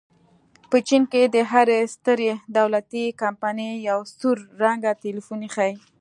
په چین کې د هرې سترې دولتي کمپنۍ یو سور رنګه ټیلیفون ایښی.